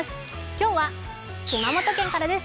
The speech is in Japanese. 今日は熊本県からです。